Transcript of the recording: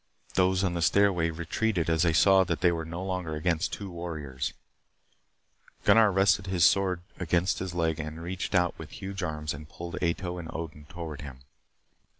Those on the stairway retreated as they saw that they were no longer against two warriors. Gunnar rested his sword against his leg and reached out with huge arms and pulled Ato and Odin toward him.